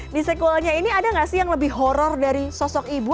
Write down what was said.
di sekuelnya ini ada nggak sih yang lebih horror dari sosok ibu